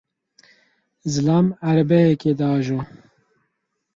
Zilam erebeyekê diajo.